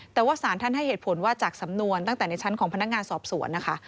แต่ว่าสารท่านให้เหตุผลว่าจากสำนวนตั้งแต่ในชั้นของพนักงานสอบสวนนะคะ